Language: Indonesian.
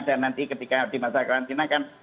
dan nanti ketika di masa karantina kan